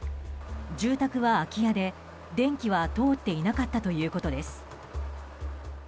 住宅は空き家で電気は通っていなかったということです。